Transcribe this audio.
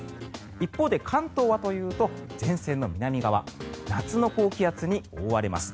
一方で、関東はというと前線の南側夏の高気圧に覆われます。